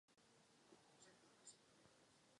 Prvořadé je, aby stabilizovalo svou demokracii.